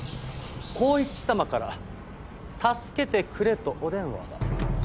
浩一様から「助けてくれ」とお電話が。